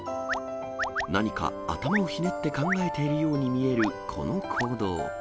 何か頭をひねって考えているように見えるこの行動。